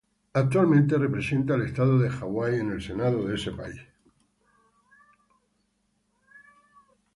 Actualmente representa al estado de Hawái en el Senado de ese país.